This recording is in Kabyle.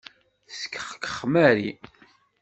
Teskexkex Mary.